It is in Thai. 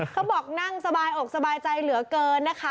เขาบอกนั่งสบายอกสบายใจเหลือเกินนะคะ